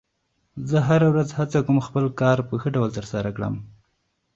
زه هره ورځ هڅه کوم خپل کار په ښه ډول ترسره کړم